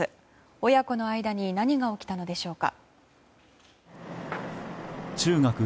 親子の間に何が起きたのでしょうか。